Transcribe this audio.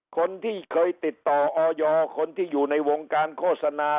คนที่เคยติดต่อออยคนที่อยู่ในวงการโฆษณา